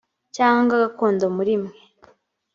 cyangwa gakondo muri mwe